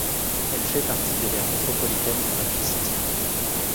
Elle fait partie de l'aire métropolitaine de Rapid City.